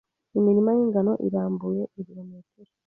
Imirima y'ingano irambuye ibirometero.